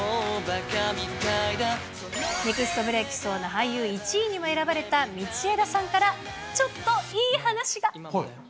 ネクストブレークしそうな俳優１位にも選ばれた道枝さんからちょっといい話が。